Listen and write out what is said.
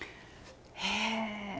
へえ！